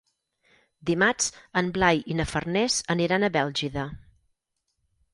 Dimarts en Blai i na Farners aniran a Bèlgida.